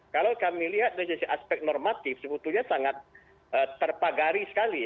kalau kami lihat dari sisi aspek normatif sebetulnya sangat terpagari sekali ya